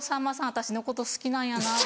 私のこと好きなんやなと思って。